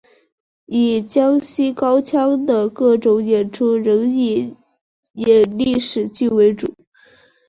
如江西高腔的各种演出仍以演历史戏为主。